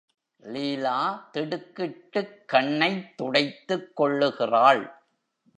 லீலா திடுக்கிட்டுக் கண்ணைத் துடைத்துக் கொள்ளுகிறாள்.